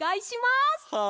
はい。